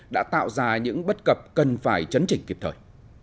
đã tạo ra những bất cập cần phải chấn chỉnh kịp thời